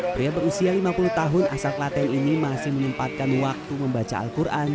pria berusia lima puluh tahun asal klaten ini masih menyempatkan waktu membaca al quran